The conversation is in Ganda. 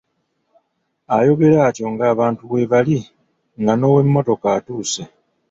Ayogera atyo nga abantu weebali, nga n'ow'emmotoka atuuse.